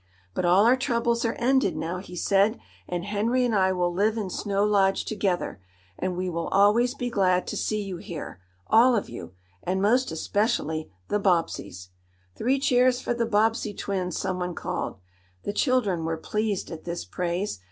"But all our troubles are ended now," he said, "and Henry and I will live in Snow Lodge together. And we will always be glad to see you here all of you and most especially the Bobbseys." "Three cheers for the Bobbsey twins!" someone called. The children were pleased at this praise.